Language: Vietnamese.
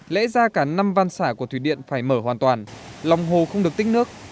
lẽ ra cả năm văn xả của thủy điện phải mở hoàn toàn lòng hồ không được tích nước